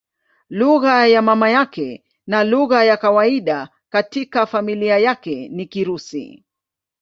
Lugha ya mama yake na lugha ya kawaida katika familia yake ni Kirusi.